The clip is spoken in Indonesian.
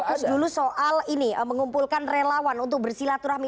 fokus dulu soal ini mengumpulkan relawan untuk bersilaturahmi